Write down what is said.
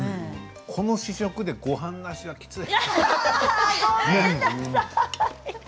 この試食で、ごはんなしはきつい。